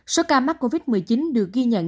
số ca mắc covid một mươi chín được ghi nhận